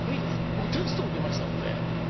僕テスト受けましたので。